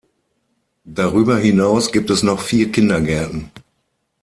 Darüber hinaus gibt es noch vier Kindergärten.